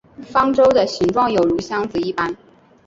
方舟的形状有如箱子一般。